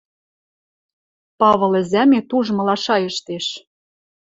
Павыл ӹзӓмет ужмыла шайыштеш.